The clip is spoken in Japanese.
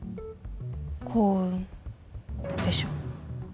「幸運」でしょ。